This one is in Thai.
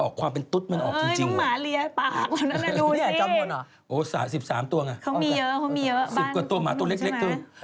ชั้นต้องแบกมะม่วงมาจากสวนอย่างใหญ่นี่